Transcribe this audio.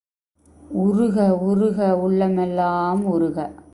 உருக உருக உள்ளமெல்லாம் உருக!.